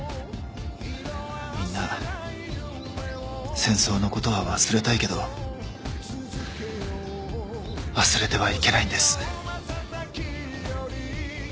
みんな戦争のことは忘れたいけど忘れてはいけないんです。